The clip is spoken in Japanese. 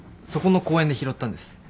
そこの公園で拾ったんです。